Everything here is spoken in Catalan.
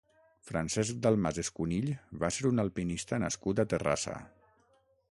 Francesc Dalmases Cunill va ser un alpinista nascut a Terrassa.